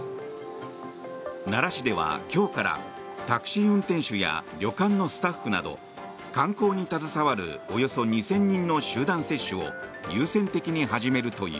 奈良市では今日からタクシー運転手や旅館のスタッフなど観光に携わるおよそ２０００人の集団接種を優先的に始めるという。